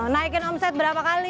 naikin omset berapa kali